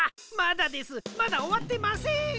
まだですまだおわってません！